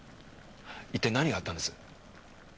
一体何があったんです？